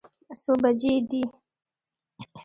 څو بجې دي.